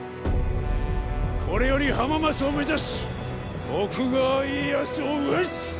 これより浜松を目指し徳川家康を討つ！